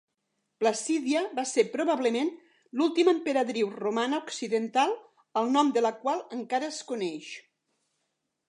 Placídia va ser probablement l'última emperadriu romana occidental el nom de la qual encara es coneix.